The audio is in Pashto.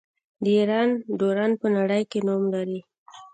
د ایران ډرون په نړۍ کې نوم لري.